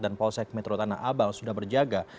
dan polsek metro tanah abal sudah berjaga